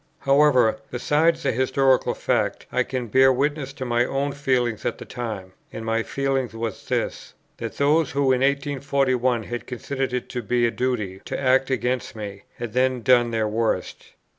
However, besides the historical fact, I can bear witness to my own feeling at the time, and my feeling was this: that those who in 1841 had considered it to be a duty to act against me, had then done their worst.